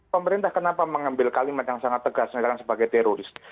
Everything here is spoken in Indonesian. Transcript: pemerintah kenapa mengambil kalimat yang sangat tegas misalkan sebagai teroris